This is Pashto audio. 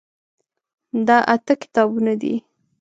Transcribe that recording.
دا اته کتابونه دي.